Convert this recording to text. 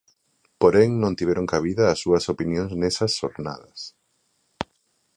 Porén, non tiveron cabida as súas opinións nesas xornadas.